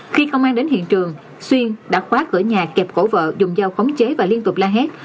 khi công an đến hiện trường xuyên đã khóa cửa nhà kẹp cổ vợ dùng dao khống chế và liên tục la hét